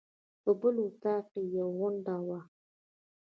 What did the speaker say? په بل اطاق کې یې غونډه وه.